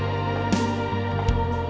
jangan lupa untuk mencoba